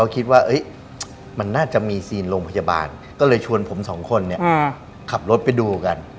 คุณสองคนขับรถไปดูกัน